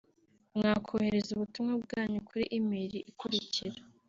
mwakohereza ubutumwa bwanyu kuri email ikurikira